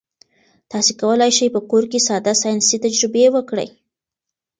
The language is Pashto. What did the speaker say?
تاسي کولای شئ په کور کې ساده ساینسي تجربې وکړئ.